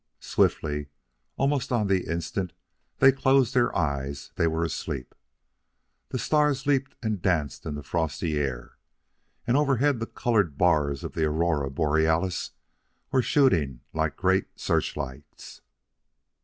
Swiftly, almost on the instant they closed their eyes, they were asleep. The stars leaped and danced in the frosty air, and overhead the colored bars of the aurora borealis were shooting like great searchlights.